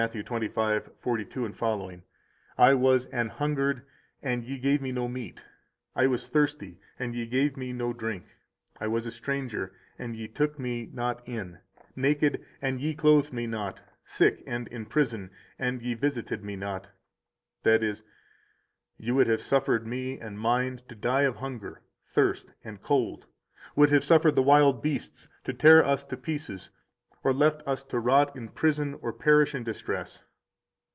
25:42f : I was an hungred, and ye gave Me no meat; I was thirsty, and ye gave Me no drink; I was a stranger, and ye took Me not in; naked, and ye clothed Me not; sick and in prison, and ye visited Me not. That is: You would have suffered Me and Mine to die of hunger, thirst, and cold, would have suffered the wild beasts to tear us to pieces, or left us to rot in prison or perish in distress.